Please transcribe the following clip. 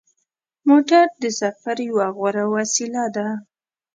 موټر د سفر یوه غوره وسیله ده.